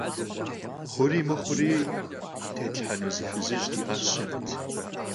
Xhuri mıxhuri têtlhhenu zı fızıj di'aşeret.